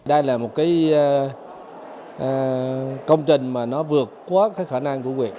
đây là một công trình mà nó vượt qua khả năng của quyền